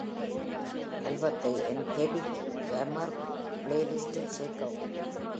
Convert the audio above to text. ஆல்பத்தை என் Heavy Gamer playlist இல் சேர்க்கவும்.